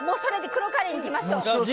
黒カレーいきましょう。